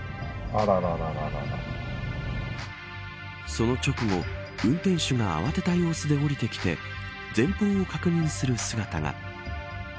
その直後、運転手が慌てた様子で降りてきて前方を確認する姿が。